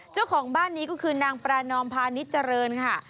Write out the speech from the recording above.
เจ้าของบ้านนี้ก็คือนางปรานอมพาณิชยเจริญค่ะ